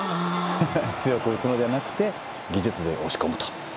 強く打つのではなく技術で押し込むと。